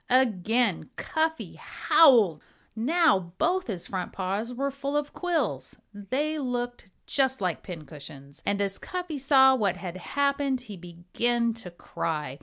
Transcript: Again Cuffy howled! Now both his front paws were full of quills. They looked just like pincushions. And as Cuffy saw what had happened he began to cry.